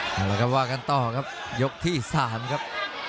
แล้วก็ว่ากันต่อครับยกที่๓ครับ